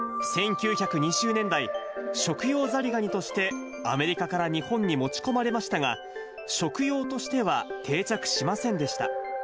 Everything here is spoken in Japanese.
１９２０年代、食用ザリガニとして、アメリカから日本に持ち込まれましたが、食用としては定着しませんでした。